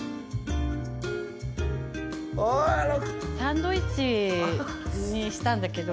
サンドイッチにしたんだけど。